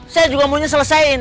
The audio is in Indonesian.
saya juga maunya selesain